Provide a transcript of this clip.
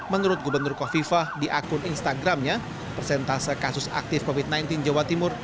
menurut gubernur kofifah di akun instagramnya persentase kasus aktif covid sembilan belas jawa timur